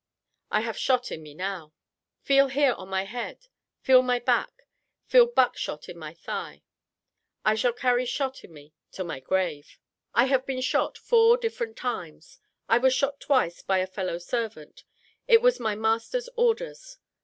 I have shot in me now. Feel here on my head, feel my back, feel buck shot in my thigh. I shall carry shot in me to my grave. I have been shot four different times. I was shot twice by a fellow servant; it was my master's orders.